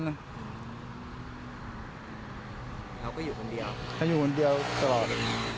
เราก็อยู่คนเดียวเขาอยู่คนเดียวตลอด